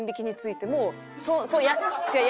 違う。